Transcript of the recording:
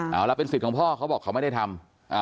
เอาล่ะเป็นสิทธิ์ของพ่อเขาบอกเขาไม่ได้ทำ